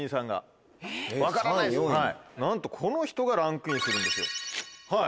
なんとこの人がランクインするんですよ。